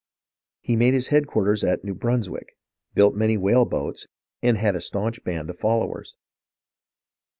He made his headquarters at [New] Brunswick, built many whale boats, and had a stanch band of followers.